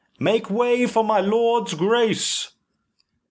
make way for my lord's grace."